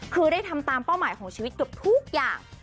คือได้ทำตามเป้าหมายของชีวิตเกือบทุกอย่าง